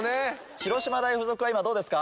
広島大附属は今どうですか？